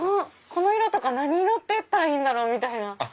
この色とか何色っていったらいいんだろうみたいな。